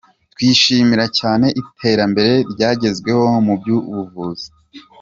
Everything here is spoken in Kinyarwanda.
Twishimira cyane iterambere ryagezweho mu by’ubuvuzi.